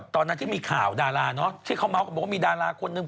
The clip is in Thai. ตอนที่มีข่าวดาราที่เขาเมาส์กันบอกว่ามีดาราคนนึง